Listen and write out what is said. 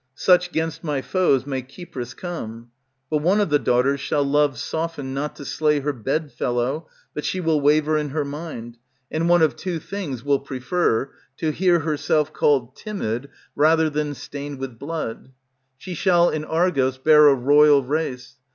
Such 'gainst my foes may Cypris come. But one of the daughters shall love soften Not to slay her bedfellow, but she will waver In her mind; and one of two things will prefer, To hear herself called timid, rather than stained with blood; She shall in Argos bear a royal race.